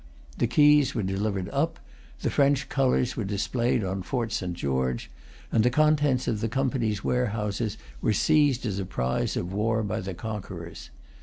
The keys were delivered up; the French colours were displayed on Fort St. George; and the contents of the Company's warehouses were seized as prize of war by the conquerors.